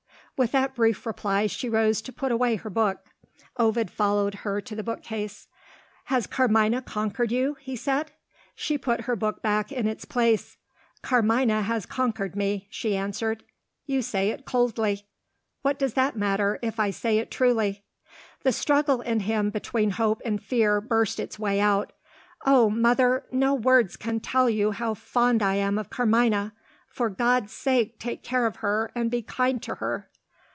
With that brief reply she rose to put away her book. Ovid followed her to the bookcase. "Has Carmina conquered you?" he said. She put her book back in its place. "Carmina has conquered me," she answered. "You say it coldly." "What does that matter, if I say it truly?" The struggle in him between hope and fear burst its way out. "Oh, mother, no words can tell you how fond I am of Carmina! For God's sake take care of her, and be kind to her!"